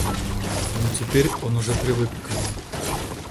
Но теперь он уже привык к ним.